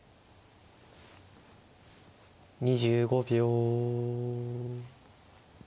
２５秒。